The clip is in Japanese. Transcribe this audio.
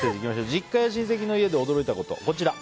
実家や親戚の家で驚いたこと。